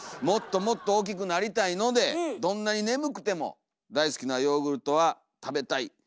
「もっともっと大きくなりたいのでどんなに眠くても大好きなヨーグルトは食べたい。